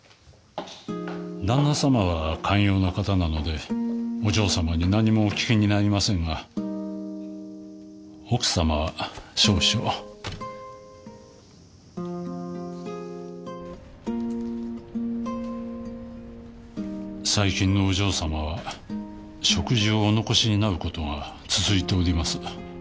旦那様は寛容な方なのでお嬢様に何もお聞きになりませんが奥様は少々最近のお嬢様は食事をお残しになることが続いております